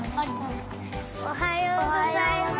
おはようございます。